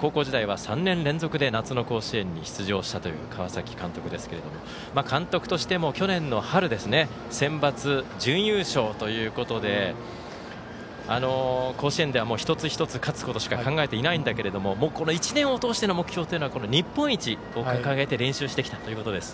高校時代は３年連続で夏の甲子園に出場したという川崎監督ですけれども監督としても去年の春センバツ準優勝ということで甲子園では一つ一つ勝つことしか考えていないんだけれども猛虎の１年を通しての目標というのは日本一を掲げて練習してきたということです。